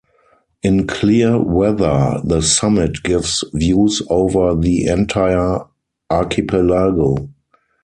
In clear weather the summit gives views over the entire archipelago.